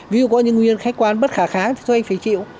ví dụ có những nguyên nhân khách quan bất khả kháng thì thôi anh phải chịu